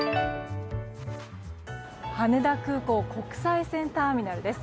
羽田空港国際線ターミナルです。